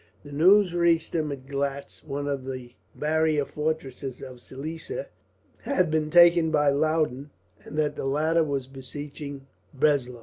The news reached him that Glatz, one of the barrier fortresses of Silesia, had been taken by Loudon, and that the latter was besieging Breslau.